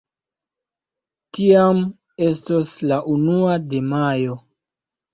Tiam estos la unua de Majo.